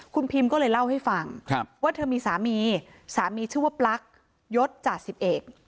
คุณพิมก็เลยเล่าให้ฟังว่าเธอมีสามีสามีชื่อว่าปลั๊กยศจ่าสิบเอก